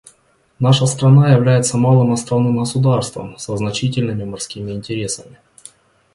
Наша страна является малым островным государством со значительными морскими интересами.